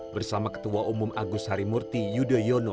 bersama ketua umum agus harimurti yudhoyono